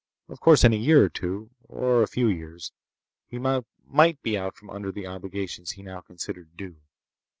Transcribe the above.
Of course, in a year or two, or a few years, he might be out from under the obligations he now considered due.